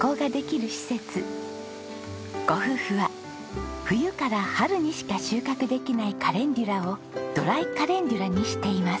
ご夫婦は冬から春にしか収穫できないカレンデュラをドライカレンデュラにしています。